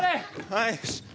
はい。